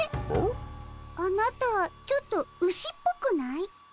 あなたちょっとウシっぽくない？